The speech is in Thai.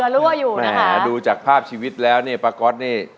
เหลือรั่วอยู่นะครับดูจากภาพชีวิตแล้วนี่ปลาก๊อตนี่